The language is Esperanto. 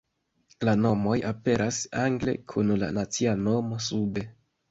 La nomoj aperas angle kun la nacia nomo sube.